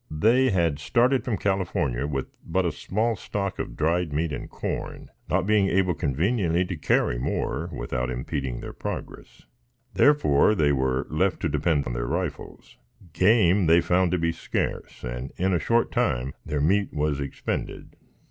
They had started from California with but a small stock of dried meat and corn, not being able conveniently to carry more without impeding their progress; therefore, they were left to depend on their rifles. Game they found to be scarce; and, in a short time, their meat was expended.